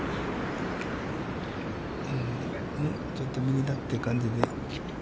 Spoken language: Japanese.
ちょっと右だという感じで。